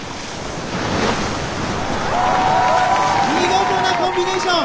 見事なコンビネーション。